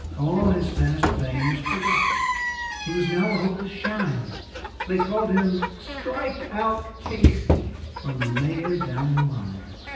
All his past fame was forgotten; he was now a hopeless "shine." They called him "Strike out Casey" from the mayor down the line.